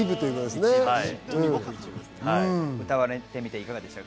歌われてみていかがでしたか？